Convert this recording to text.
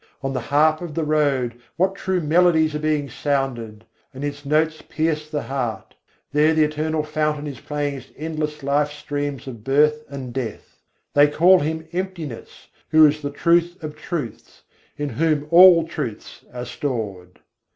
On the harp of the road what true melodies are being sounded! and its notes pierce the heart: There the Eternal Fountain is playing its endless life streams of birth and death. They call Him Emptiness who is the Truth of truths, in Whom all truths are stored!